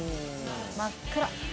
真っ暗。